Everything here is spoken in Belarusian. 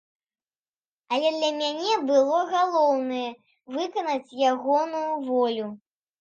Але для мяне было галоўнае выканаць ягоную волю.